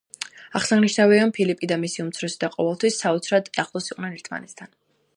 აღსანიშნავია, რომ ფილიპი და მისი უმცროსი და ყოველთვის საოცრად ახლოს იყვნენ ერთმანეთთან.